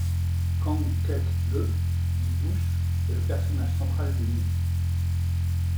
Kang Kek Ieu, dit Douch, est le personnage central du livre.